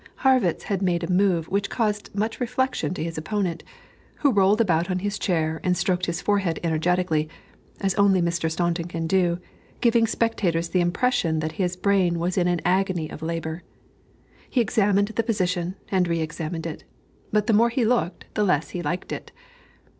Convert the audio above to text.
Harrwitz had made a move which caused much reflection to his opponent, who rolled about on his chair and stroked his forehead energetically, as only Mr. Staunton can do, giving spectators the impression that his brain was in an agony of labor. He examined the position, and re examined it; but, the more he looked, the less he liked it.